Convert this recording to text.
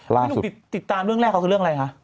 ที่หนุ่มติดตามเรื่องแรกเขาคือเรื่องอะไรคะ